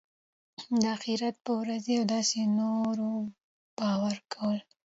د آخرت په ورځ او داسي نورو باور کول .